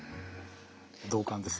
同感です。